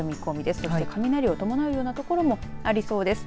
そして、雷を伴うような所もありそうです。